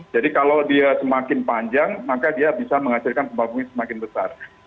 jadi kalau dia semakin panjang maka dia bisa menghasilkan pembangunan semakin besar